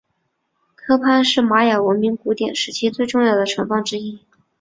科潘是玛雅文明古典时期最重要的城邦之一。